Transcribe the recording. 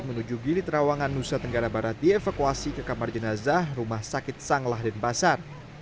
menuju gili terawangan nusa tenggara barat dievakuasi ke kamar jenazah rumah sakit sang lahden pasar